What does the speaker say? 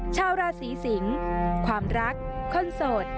ชาวราศีสิงศ์ความรักคนโสด